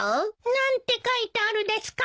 何て書いてあるですか？